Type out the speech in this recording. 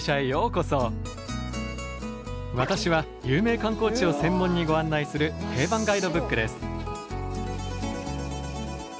私は有名観光地を専門にご案内する定番ガイドブックです。